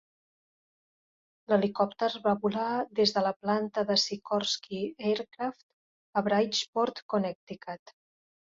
L'helicòpter va volar des de la planta de Sikorsky Aircraft a Bridgeport, Connecticut.